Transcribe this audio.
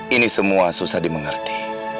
ini semua susah dimengerti